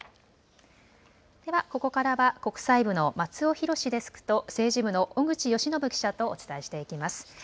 では、ここからは国際部の松尾寛デスクと、政治部の小口佳伸記者とお伝えしていきます。